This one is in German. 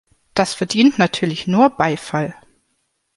Das verdient natürlich nur Beifall.